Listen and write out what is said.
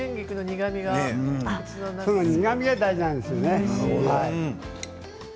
苦みが大事なんですね。